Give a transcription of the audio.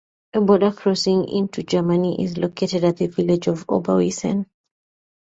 A border crossing into Germany is located at the village of Oberwiesen.